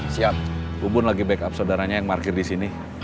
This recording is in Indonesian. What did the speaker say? siap bumbun lagi backup saudaranya yang parkir disini